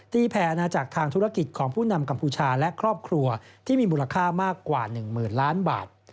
แผ่อาณาจักรทางธุรกิจของผู้นำกัมพูชาและครอบครัวที่มีมูลค่ามากกว่า๑๐๐๐ล้านบาท